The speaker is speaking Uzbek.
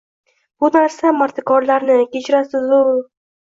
bu narsa mardikorlarni, kechirasiz-u...